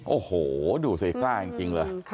โอ้โหดูสิกล้าจริงเลย